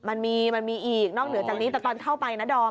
มันมีมันมีอีกนอกเหนือจากนี้แต่ตอนเข้าไปนะดอม